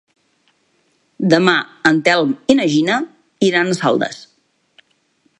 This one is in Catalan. Demà en Telm i na Gina iran a Saldes.